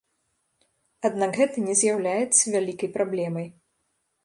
Аднак гэта не з'яўляецца вялікай праблемай.